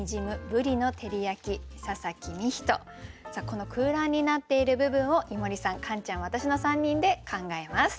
この空欄になっている部分を井森さんカンちゃん私の３人で考えます。